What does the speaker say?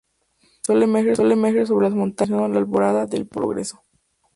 El sol emerge sobre las montañas anunciando la alborada del progreso.